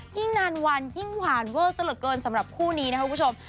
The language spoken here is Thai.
ยิ่งนานวันยิ่งหวานเวอร์ซะเหลือเกินสำหรับคู่นี้นะครับคุณผู้ชม